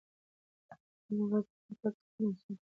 سپینې وازګې د حرکاتو د ساتنې مسؤل دي.